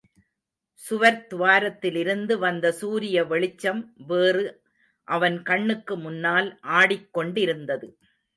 சுவர்த் துவாரத்திலிருந்து வந்த சூரிய வெளிச்சம்வேறு அவன் கண்ணுக்கு முன்னால் ஆடிக் கொண்டிருந்தது.